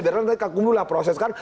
berarti gakumdu proses kan